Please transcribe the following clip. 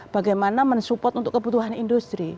bagaimana mensupport untuk kebutuhan industri